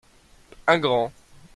Un grand.